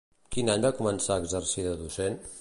Quin any va començar a exercir de docent?